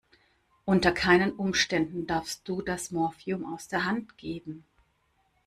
Unter keinen Umständen darfst du das Morphium aus der Hand geben.